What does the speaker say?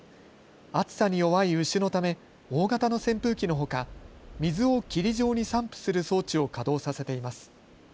暑さに弱い牛のため大型の扇風機のほか水を霧状に散布する装置を稼働させています。